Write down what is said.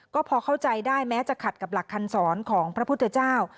ก็พอเข้าใจได้แม้จะขัดกับหลักคำสอนของพระพุทธเจ้า